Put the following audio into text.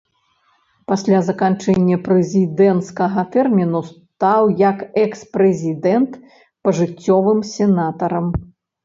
Пасля заканчэння прэзідэнцкага тэрміну стаў як экс-прэзідэнт пажыццёвым сенатарам.